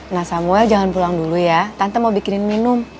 nah samuel jangan pulang dulu ya tante mau bikinin minum